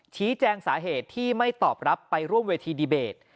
ชี้แจงสาเหตุที่ไม่ตอบรับไปร่วมเวทีดีเบต